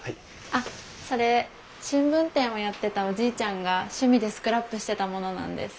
あっそれ新聞店をやってたおじいちゃんが趣味でスクラップしてたものなんです。